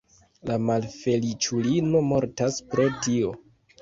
La malfeliĉulino mortas pro tio.